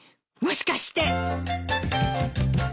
もしかして。